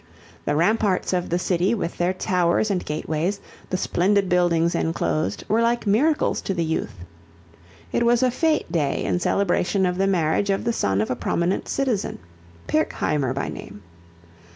The ramparts of the city with their towers and gateways, the splendid buildings enclosed, were like miracles to the youth. It was a fête day in celebration of the marriage of the son of a prominent citizen, Pirkheimer by name.